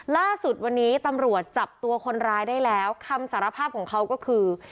ล่าสุดวันนี้ตำรวจจับตัวคนร้ายได้แล้วคำสารภาพของเขาก็คือ